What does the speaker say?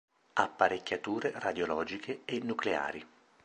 Apparecchiature Radiologiche e Nucleari.